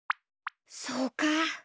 そうか！